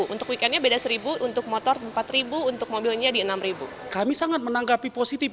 untuk weekendnya beda seribu untuk motor empat ribu untuk mobilnya di enam ribu kami sangat menanggapi positif